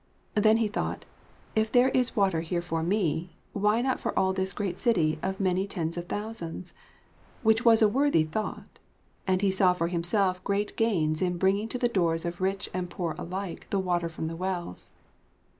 Then he thought, "If there is ater here for me, why not for all this great city of many tens of thousands?" Which was a worthy thought, and he saw for himself great gains in bringing to the doors of rich and poor alike the water from the wells.